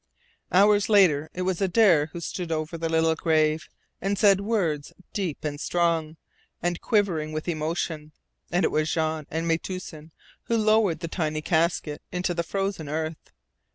Hours later it was Adare who stood over the little grave, and said words deep and strong, and quivering with emotion, and it was Jean and Metoosin who lowered the tiny casket into the frozen earth.